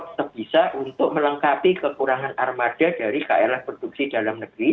tetap bisa untuk melengkapi kekurangan armada dari klh produksi dalam negeri